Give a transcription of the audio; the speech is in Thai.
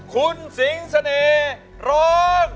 คุณสิงเสน่ห์ร้อง